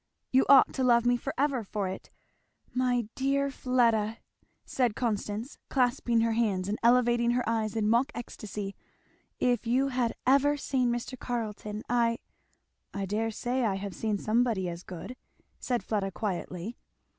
You ought to love me for ever for it. My dear Fleda! " said Constance, clasping her hands and elevating her eyes in mock ecstasy, "if you had ever seen Mr. Carleton I " "I dare say I have seen somebody as good," said Fleda quietly.